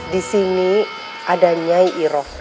disini ada nyai iroh